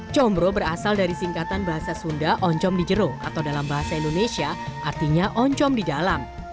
combro berasal dari singkatan bahasa sunda oncom di jero atau dalam bahasa indonesia artinya oncom di dalam